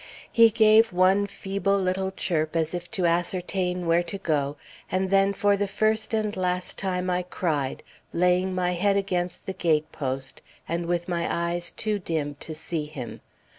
He gave one feeble little chirp as if to ascertain where to go, and then for the first and last time I cried, laying my head against the gate post, and with my eyes too dim to see him.